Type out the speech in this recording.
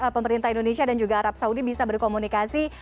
pemerintah indonesia dan juga arab saudi bisa berkomunikasi